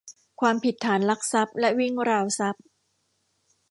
ความผิดฐานลักทรัพย์และวิ่งราวทรัพย์